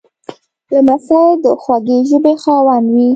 لمسی د خوږې ژبې خاوند وي.